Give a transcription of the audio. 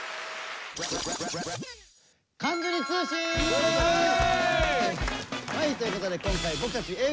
どうぞ！ということで今回僕たちＡぇ！